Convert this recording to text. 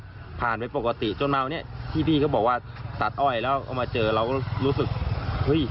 ก็ผ่านไปปกติจนมาวันนี้ที่พี่เขาบอกว่าตัดอ้อยแล้วเอามาเจอเราก็รู้สึกเฮ้ย